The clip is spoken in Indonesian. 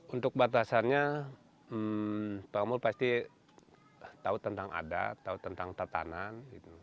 untuk batasannya pak mul pasti tahu tentang adat tahu tentang tatanan